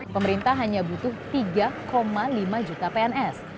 pemerintah hanya butuh tiga lima juta pns